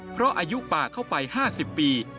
เพราะอายุป่าเข้าไป๕๐ปี